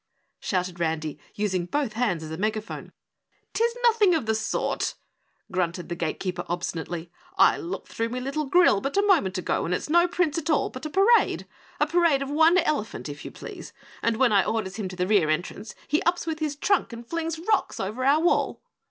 shouted Randy, using both hands as a megaphone. "'Tis nothing of the sort," grunted the Gatekeeper obstinately. "I looked through me little grill but a moment ago and it's no Prince at all, but a parade! A parade of one elephant, if you please, and when I orders him to the rear entrance he ups with his trunk and flings rocks over our wall!"